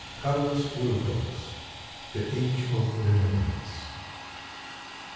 —Carlos Wilcox, "The Age of Benevolence."